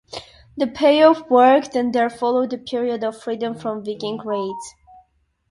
The pay-off worked and there followed a period of freedom from Viking raids.